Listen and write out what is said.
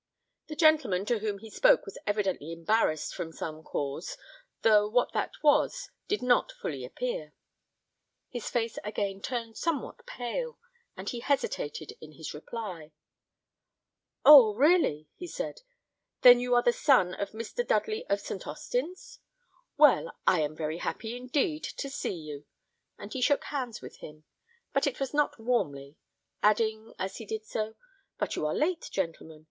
The gentleman to whom he spoke was evidently embarrassed from some cause, though what that was did not fully appear. His face again turned somewhat pale, and he hesitated in his reply. "Oh! really!" he said; "then you are the son of Mr. Dudley of St. Austin's? Well, I am very happy, indeed, to see you;" and he shook hands with him, but it was not warmly, adding, as he did so, "but you are late, gentlemen.